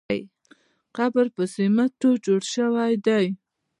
قبر په سمېټو جوړ شوی دی.